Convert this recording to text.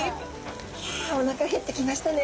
ひゃおなか減ってきましたね。